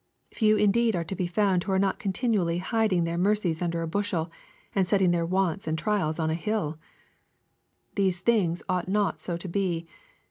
Few indeed are to be found who are not continually hid ing their mercies under a bushel, and setting their wants and trials on a hill. These things ought not so to be.